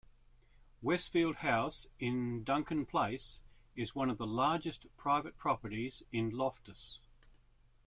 Westfield House in Duncan Place is one of the largest private properties in Loftus.